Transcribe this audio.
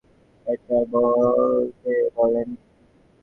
এটা বলতে বলিনি!